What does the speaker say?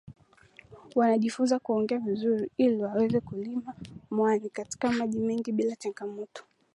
Wanajifunza kuogelea vizuri ili waweze kulima mwani katika maji mengi bila changamoto